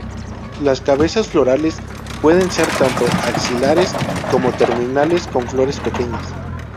Las cabezas florales pueden ser tanto axilares como terminales, con flores pequeñas.